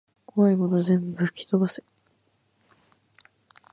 こわいもの全部ふきとばせ